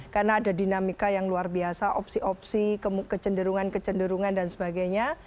karena ada dinamika yang luar biasa opsi opsi kecenderungan kecenderungan dan sebagainya